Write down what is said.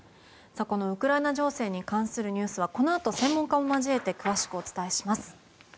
ウクライナ情勢に関するニュースはこのあと、専門家を交えて詳しくお伝えします。